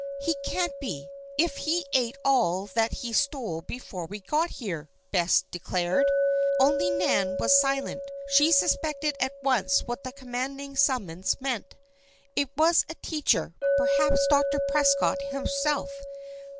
"He can't be, if he ate all that he stole before we got here," Bess declared. Only Nan was silent. She suspected at once what the commanding summons meant. It was a teacher, perhaps Dr. Prescott herself.